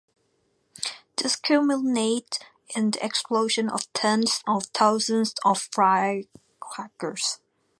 This culminates in the explosion of tens of thousands of firecrackers.